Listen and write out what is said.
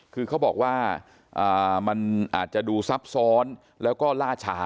คือเขาบอกว่ามันอาจจะดูซับซ้อนแล้วก็ล่าชา